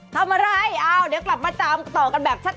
ทำอะไรเอาเดี๋ยวกลับมาตามต่อกันแบบชัด